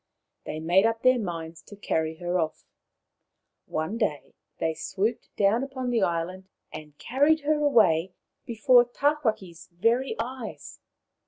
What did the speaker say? They made up their minds to carry her off. One day they swooped down upon the island and carried her away before Tawhaki's very eyes.